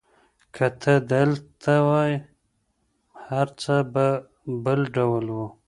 که ته دلته وای، هر څه به بل ډول وو.